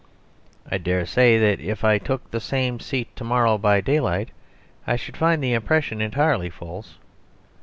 I dare say that if I took the same seat to morrow by daylight I should find the impression entirely false.